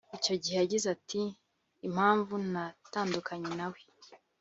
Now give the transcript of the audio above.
Icyo gihe yagize ati “Impamvu natandukanye na we